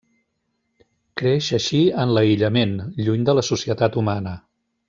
Creix així en l'aïllament, lluny de la societat humana.